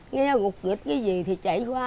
nghe gục gịch cái gì thì chạy qua